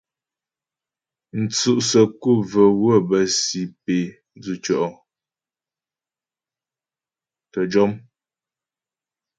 Mtsʉ' səku və́ wə́ bə́ pé dzʉtyɔ' təjɔm.